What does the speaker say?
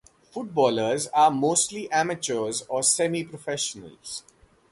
Footballers are mostly amateurs or semi professionals.